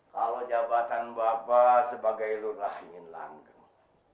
kalau jabatan bapak sebagai lurah ingin langgeng